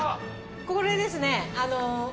これですね。